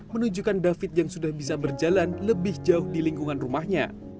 menunjukkan david yang sudah bisa berjalan lebih jauh di lingkungan rumahnya